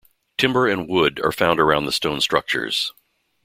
Timber and wood are found around the stone structures.